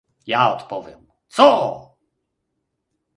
"Ja odpowiem: Co!"